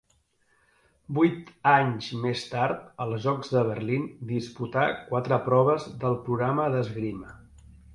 Vuit anys més tard, als Jocs de Berlín, disputà quatre proves del programa d'esgrima.